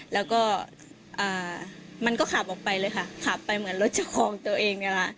แล้วก็มันก็ขับออกไปเลยค่ะขับไปเหมือนรถจะคลองตัวเองเนี่ยค่ะ